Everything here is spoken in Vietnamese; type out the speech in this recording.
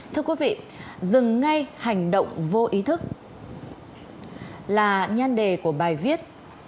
thưa quý vị dừng ngay hành động vô ý thức là nhan đề của bài viết